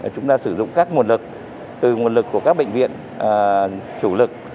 chúng ta sử dụng các nguồn lực từ nguồn lực của các bệnh viện chủ lực